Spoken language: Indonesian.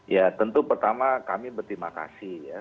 ya tentu pertama kami berterima kasih ya